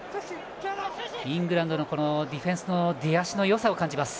イングランドのディフェンスの出足のよさを感じます。